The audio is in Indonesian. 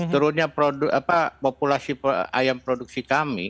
turunnya populasi ayam produksi kami